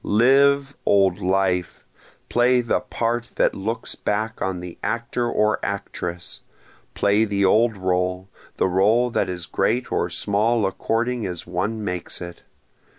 Live, old life! play the part that looks back on the actor or actress! Play the old role, the role that is great or small according as one makes it!